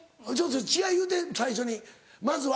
違い言うて最初にまずは？